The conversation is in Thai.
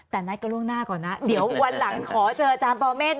แต่นัดกันล่วงหน้าก่อนนะเดี๋ยววันหลังขอเจออาจารย์ปรเมฆ